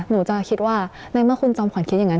หนูจะคิดว่าในเมื่อคุณจอมขวัญคิดอย่างนั้น